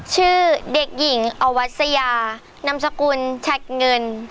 ชื่อเด็กหญิงอวัสยานามสกุลชัดเงิน